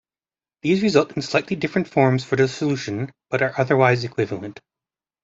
These result in slightly different forms for the solution, but are otherwise equivalent.